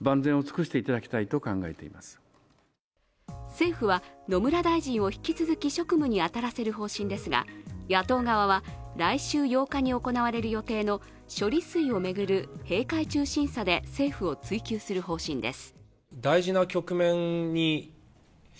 政府は野村大臣を引き続き職務に当たらせる方針ですが野党側は来週８日に行われる予定の処理水を巡る閉会中審査で政府を追及する方針です。